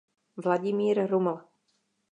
Vladimír Ruml.